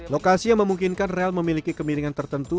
lokasi yang memungkinkan rel memiliki kemiringan tertentu